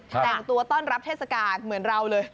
แต่งตัวต้อนรับเทศกาลเหมือนเราเลย